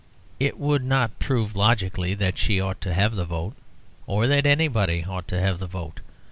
It would not prove logically that she ought to have the vote, or that anybody ought to have the vote.